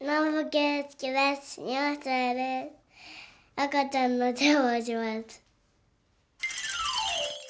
あかちゃんのせわをします。